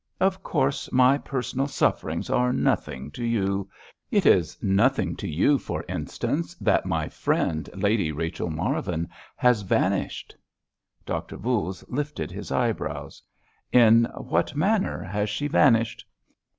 "Of course, my personal sufferings are nothing to you! It is nothing to you, for instance, that my friend, Lady Rachel Marvin, has vanished!" Doctor Voules lifted his eyebrows. "In what manner has she vanished?"